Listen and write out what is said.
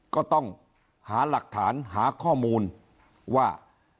ก็ต้องหาหลักฐานหาข้อมูลว่า